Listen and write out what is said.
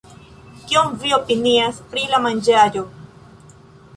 Kion vi opinias pri la manĝaĵo